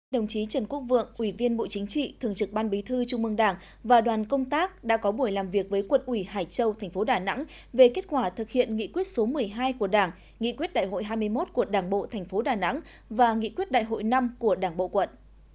đồng chí trần quốc vượng ủy viên bộ chính trị thường trực ban bí thư trung mương đảng và đoàn công tác đã có buổi làm việc với quận ủy hải châu thành phố đà nẵng về kết quả thực hiện nghị quyết số một mươi hai của đảng nghị quyết đại hội hai mươi một của đảng bộ tp đà nẵng và nghị quyết đại hội năm của đảng bộ quận